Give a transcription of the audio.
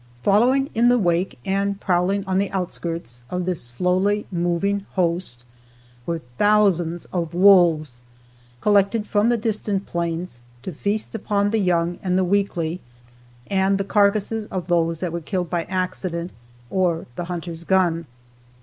Following in the wake and prowling on the outskirts of this slowly moving host, were thousands of wolves, collected from the distant plains, to feast upon the young and the weakly, and the carcasses of those that were killed by accident or the hunter's gun.